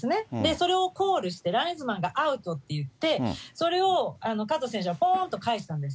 それをコールして、ライズマンがアウトって言って、それを加藤選手はぽーんと返したんです。